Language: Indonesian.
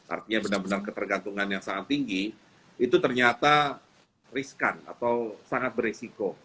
artinya benar benar ketergantungan yang sangat tinggi itu ternyata riskan atau sangat beresiko